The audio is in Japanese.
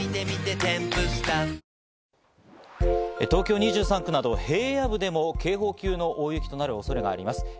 東京２３区など平野部でも警報級の大雪となる恐れがあります。